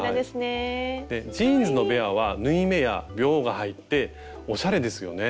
ジーンズのベアは縫い目やびょうが入っておしゃれですよね。